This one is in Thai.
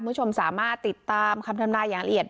คุณผู้ชมสามารถติดตามคำทำนายอย่างละเอียด